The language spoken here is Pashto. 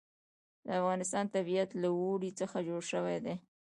د افغانستان طبیعت له اوړي څخه جوړ شوی دی.